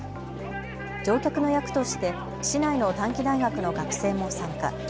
乗客の役として市内の短期大学の学生も参加。